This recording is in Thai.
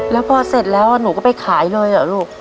แล้วพอเสร็จแล้วหนูก็ไปขายเลยเหรอลูก